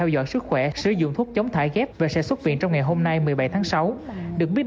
rồi rớt xuống dưới